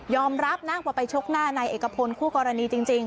รับนะว่าไปชกหน้านายเอกพลคู่กรณีจริง